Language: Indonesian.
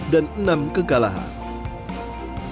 dan enam kegalahan